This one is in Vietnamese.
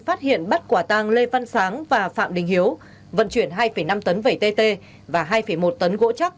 phát hiện bắt quả tàng lê văn sáng và phạm đình hiếu vận chuyển hai năm tấn vẩy tt và hai một tấn gỗ chắc